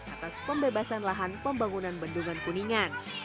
atas pembebasan lahan pembangunan bendungan kuningan